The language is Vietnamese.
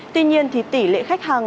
tuy nhiên thì tỉ lệ khách hàng